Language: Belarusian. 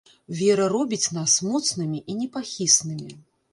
Вера робіць нас моцнымі і непахіснымі.